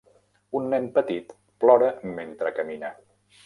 Un nen petit plora mentre camina.